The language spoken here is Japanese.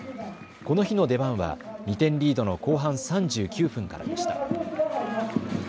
この日の出番は２点リードの後半３９分からでした。